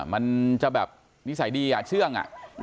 มันจะแบบนิสัยดีเชื่อง